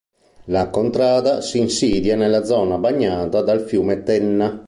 La contrada si insidia nella zona bagnata dal fiume Tenna.